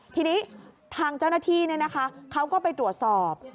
ทีนี้ทางเจ้าหน้าที่เขาก็ไปตรวจสอบ